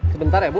sebentar ya bu